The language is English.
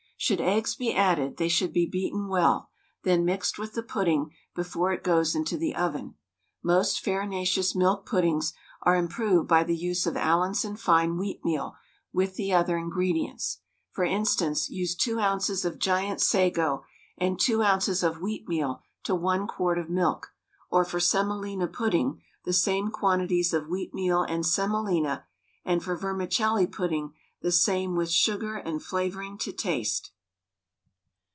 Should eggs be added, they should be beaten well, then mixed with the pudding before it goes into the oven. Most farinaceous milk puddings are improved by the use of Allinson fine wheatmeal with the other ingredients. For instance, use 2 oz. of giant sago and 2 oz. of wheatmeal to 1 quart of milk; or for semolina pudding, the same quantities of wheatmeal and semolina; and for vermicelli pudding the same, with sugar and flavouring to taste.